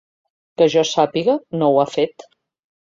Que jo sàpiga, no ho ha fet.